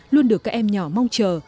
luôn được các em nhỏ mong chờ